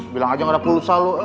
bilang aja gak ada pulsa lu